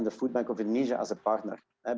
dan food bank indonesia sebagai pasangan